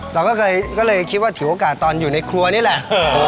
เราก็เลยคิดว่าถือโอกาสตอนอยู่ในครัวนี่แหละ